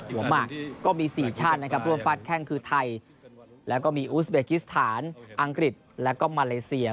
หมากก็มี๔ชาตินะครับร่วมฟาดแข้งคือไทยแล้วก็มีอูสเบกิสถานอังกฤษแล้วก็มาเลเซีย